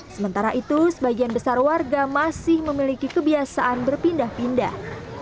sementara itu sebagian besar warga masih memiliki kebiasaan berpindah pindah